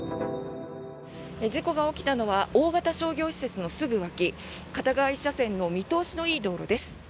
事故が起きたのは大型商業施設のすぐ脇片側１車線の見通しのいい道路です。